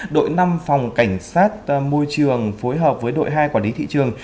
đội năm phòng cảnh sát môi trường phối hợp với đội hai quản lý thị trường